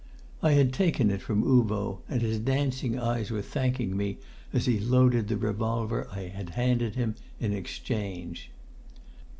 I had taken it from Uvo, and his dancing eyes were thanking me as he loaded the revolver I had handed him in exchange.